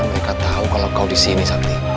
mereka tahu kalau kau disini sabti